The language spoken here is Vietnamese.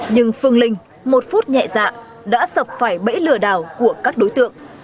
nhưng phương linh một phút nhẹ dạ đã sập phải bẫy lừa đảo của các đối tượng